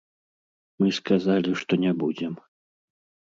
Мы сказалі, што не будзем.